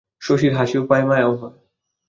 শশীর হাসিও পায়, মায়াও হয়।